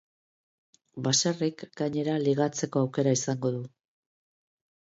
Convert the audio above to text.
Baserrik, gainera, ligatzeko aukera izango du.